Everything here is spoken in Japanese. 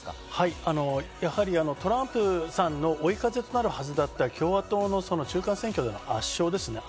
トランプさんの追い風となるはずだった共和党の中間選挙での圧勝ですね。